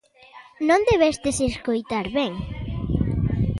Non debestes escoitar ben.